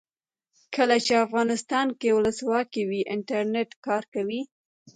کله چې افغانستان کې ولسواکي وي انټرنیټ کار کوي.